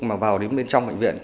mà vào đến bên trong bệnh viện